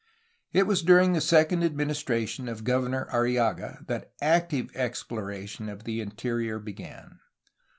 It was during the second administration of Governor Arrillaga that active exploration of the interior began.